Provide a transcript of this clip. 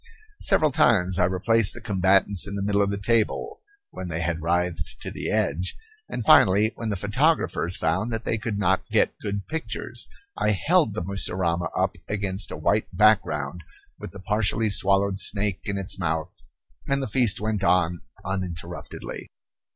Several times I replaced the combatants in the middle of the table when they had writhed to the edge, and finally, when the photographers found that they could not get good pictures, I held the mussurama up against a white background with the partially swallowed snake in its mouth; and the feast went on uninterruptedly.